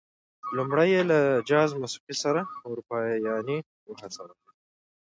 لومړی یې له جاز موسيقۍ سره اروپايانې وهڅولې.